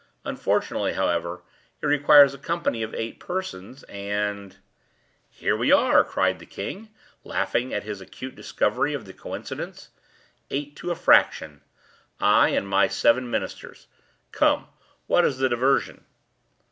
Unfortunately, however, it requires a company of eight persons and—" "Here we are!" cried the king, laughing at his acute discovery of the coincidence; "eight to a fraction—I and my seven ministers. Come! what is the diversion?"